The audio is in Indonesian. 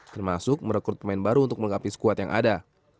termasuk merekrut pemain baru untuk menggapi squad yang ada